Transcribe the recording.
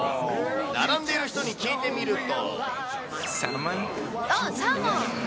並んでいる人に聞いてみると。